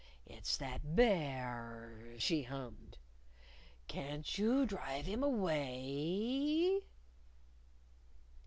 "It's that Bear!" she hummed. "Can't you drive him away?"